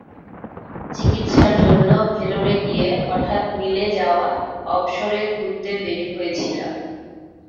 চিকিত্সার জন্য ভেলোরে গিয়ে হঠাৎ মিলে যাওয়া অবসরে ঘুরতে বের হয়েছিলাম।